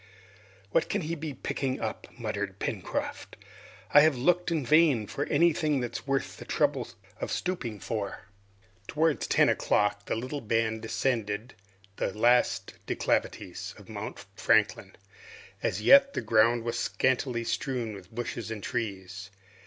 "What can he be picking up?" muttered Pencroft. "I have looked in vain for anything that's worth the trouble of stooping for." Towards ten o'clock the little band descended the last declivities of Mount Franklin. As yet the ground was scantily strewn with bushes and trees.